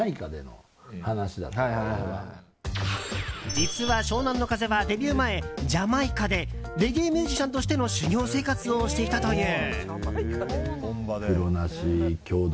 実は、湘南乃風はデビュー前ジャマイカでレゲエミュージシャンとしての修業生活をしていたという。